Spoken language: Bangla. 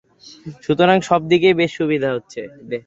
সুতরাং সব দিকেই বেশ সুবিধা হচ্ছে।